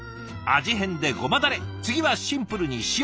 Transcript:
味変でごまだれ次はシンプルに塩。